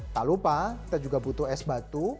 tak lupa kita juga butuh es batu